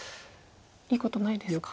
いいことないですか。